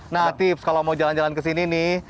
nah tips kalau mau jalan jalan ke sini nih